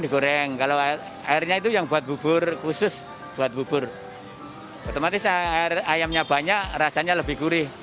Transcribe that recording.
digoreng kalau airnya itu yang buat bubur khusus buat bubur otomatis air ayamnya banyak rasanya lebih